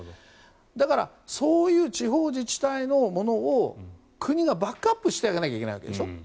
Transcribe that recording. だからそういう地方自治体のものを国がバックアップしてあげなきゃいけないわけでしょう。